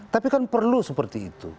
tapi kan perlu seperti itu